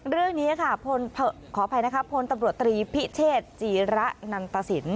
เรื่องนี้ขออภัยศพตริพิเชติจีระนันตศิลป์